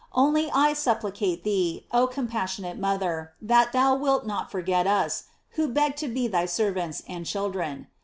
Only 1 supplicate thee, oh compassionate mother, that thou wilt not forget us, who beg to be thy ser vants and children.